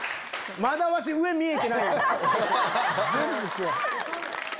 まだワシ上見えてない。